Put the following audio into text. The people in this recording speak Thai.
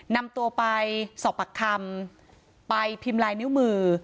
นำตัวไปสอบปากคำไปพิมพ์ลายนิ้วมือ